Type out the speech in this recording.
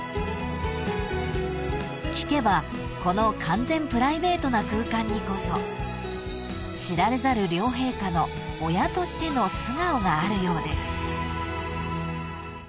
［聞けばこの完全プライベートな空間にこそ知られざる両陛下の親としての素顔があるようです］